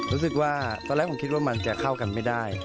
รู้สึกว่าตอนแรกผมคิดว่ามันจะเข้ากันไม่ได้